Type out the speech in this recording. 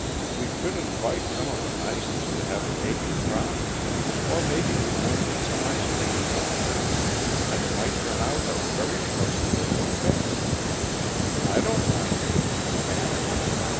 We could invite some of the nicest in to have cake and coffee or maybe we might get some ice cream somewhere and it might turn out a very pleasant little affair. I don't mind meeting them, Manley.